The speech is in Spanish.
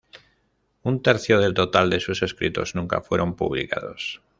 Un tercio del total de sus escritos nunca fueron publicados.